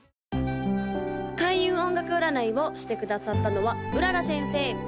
・開運音楽占いをしてくださったのは麗先生